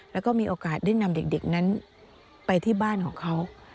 แล้วก็มีโอกาสได้นำเด็กนั้นไปที่บ้านของเขา